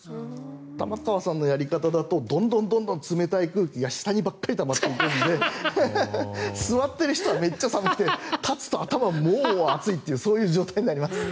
玉川さんのやり方だとどんどん冷たい空気が下にばかりたまっていくので座っている人はめちゃ寒くて立つと、頭が暑いっていうそういう状態になります。